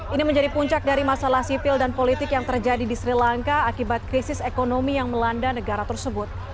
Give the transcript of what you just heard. ini menjadi puncak dari masalah sipil dan politik yang terjadi di sri lanka akibat krisis ekonomi yang melanda negara tersebut